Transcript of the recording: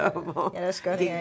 よろしくお願いします。